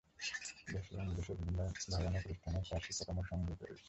দেশে এবং বিদেশের বিভিন্ন ভবন ও প্রতিষ্ঠানে তার শিল্পকর্ম সংগৃহীত রয়েছে।